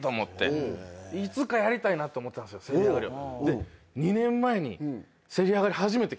せり上がりを。